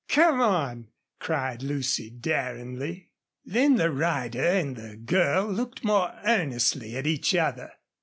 "Come on!" cried Lucy, daringly. Then the rider and girl looked more earnestly at each other.